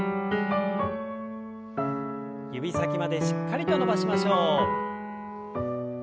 指先までしっかりと伸ばしましょう。